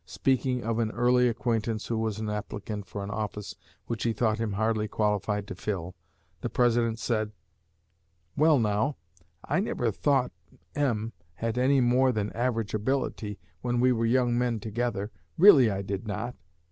Speaking of an early acquaintance who was an applicant for an office which he thought him hardly qualified to fill, the President said, 'Well, now, I never thought M had any more than average ability, when we were young men together; really I did not.'